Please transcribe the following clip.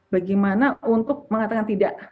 bagaimana untuk mengatakan tidak